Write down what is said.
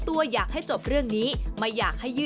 เธออยากให้ชี้แจ่งความจริง